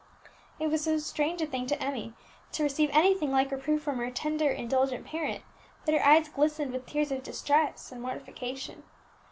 It was so strange a thing to Emmie to receive anything like reproof from her tender indulgent parent, that her eyes glistened with tears of distress and mortification.